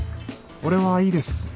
俺はいいです。